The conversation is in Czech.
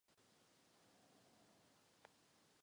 Později se zaměstnal jako učitel v Prvním reálném gymnáziu.